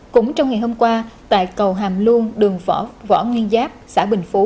cũng trong ngày hôm qua tại cầu hàm luông đường võ nguyên giáp xã bình phú